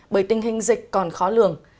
bởi tình hình dịch còn khó lường